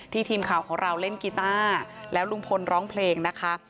ทีมข่าวของเราเล่นกีต้าแล้วลุงพลร้องเพลงนะคะ